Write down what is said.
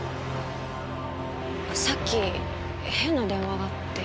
さっき変な電話があって。